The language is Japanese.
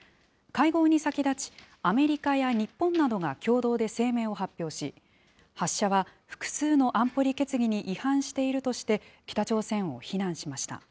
会合に先立ち、アメリカや日本などが共同で声明を発表し、発射は複数の安保理決議に違反しているとして、北朝鮮を非難しました。